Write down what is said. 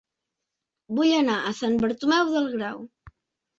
Vull anar a Sant Bartomeu del Grau